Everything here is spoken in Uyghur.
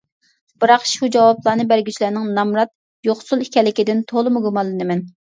بىراق شۇ جاۋابلارنى بەرگۈچىلەرنىڭ نامرات، يوقسۇل ئىكەنلىكىدىن تولىمۇ گۇمانلىنىمەن.